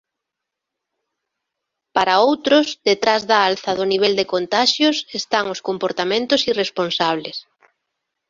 Para outros, detrás da alza do nivel de contaxios están os comportamentos irresponsables.